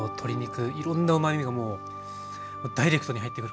いろんなうまみがもうダイレクトに入ってくる感じで。